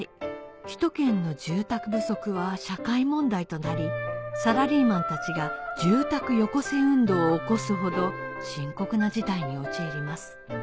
首都圏の住宅不足は社会問題となりサラリーマンたちが「住宅よこせ運動」を起こすほど深刻な事態に陥ります